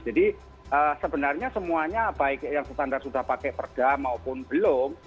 jadi sebenarnya semuanya baik yang standar sudah pakai perda maupun belum